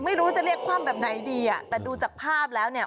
ไม่รู้จะเรียกคว่ำแบบไหนดีอ่ะแต่ดูจากภาพแล้วเนี่ย